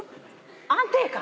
安定感。